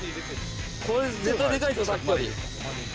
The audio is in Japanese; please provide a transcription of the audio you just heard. これ絶対でかいぞさっきより。